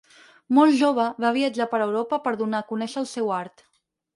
Molt jove, va viatjar per Europa per donar a conèixer el seu art.